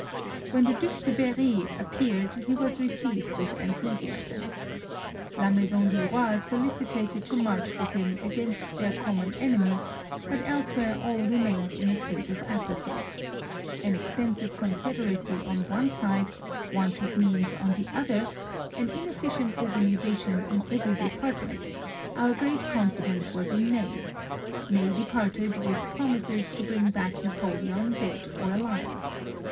When the Due de Berri appeared he was received with enthusiasm. La Maison dtt Roi solicited to march with him against their common enemy, but elsewhere all re mained in a state of apathy. An extensive confederacy on one side, want of means on the other, an inefficient organization in every department — our great confi dence was in Ney; Ney departed with promises to bring back Napoleon dead or ahve.